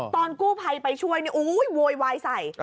ตอนกู้ภัยไปช่วยโวยวายใส่